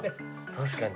確かに。